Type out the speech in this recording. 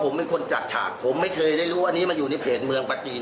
ผมก็ถามท่านแล้วเป็นของเราไหม